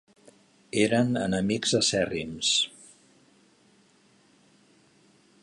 Eren enemics acèrrims.